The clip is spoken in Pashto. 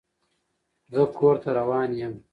زه کور ته روان يم.